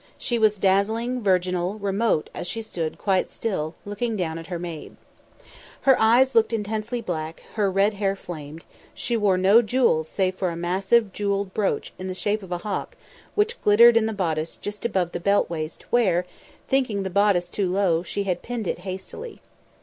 She was dazzling, virginal, remote as she stood quite still, looking down at her maid. Her eyes looked intensely black; her red hair flamed; she wore no jewels save for a massive jewelled brooch in the shape of a hawk which glittered in the bodice just above the waist belt where, thinking the bodice too low, she had pinned it hastily.